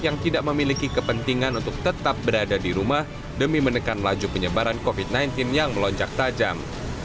yang tidak memiliki kepentingan untuk tetap berada di rumah demi menekan laju penyebaran covid sembilan belas yang melonjak tajam